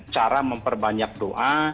cara memperbanyak doa